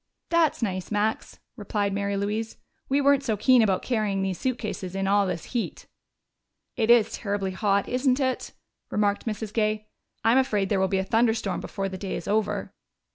"That's nice, Max," replied Mary Louise. "We weren't so keen about carrying these suitcases in all this heat." "It is terribly hot, isn't it?" remarked Mrs. Gay. "I'm afraid there will be a thunderstorm before the day is over."